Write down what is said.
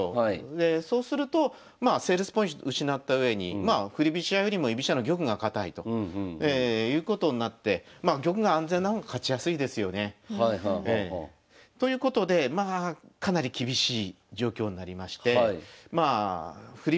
でそうするとまあセールスポイント失ったうえに振り飛車よりも居飛車の玉が堅いということになってまあ玉が安全な方が勝ちやすいですよね。ということでまあかなり厳しい状況になりまして振り